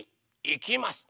いきます。